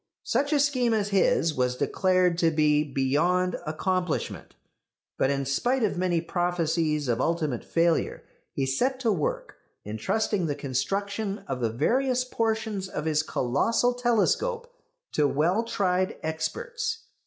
Such a scheme as his was declared to be beyond accomplishment. But in spite of many prophecies of ultimate failure he set to work, entrusting the construction of the various portions of his colossal telescope to well tried experts.